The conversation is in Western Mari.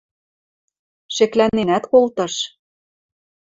Шеклӓненӓт колтыш.